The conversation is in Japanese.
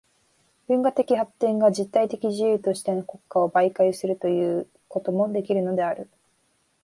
文化的発展が実体的自由としての国家を媒介とするということもできるのである。